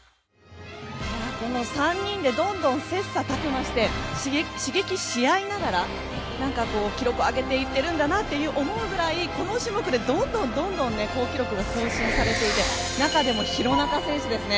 この３人でどんどん切磋琢磨して刺激し合いながら記録を上げていってるんだなと思うぐらいこの種目で、どんどん好記録が更新されていて中でも廣中選手ですね。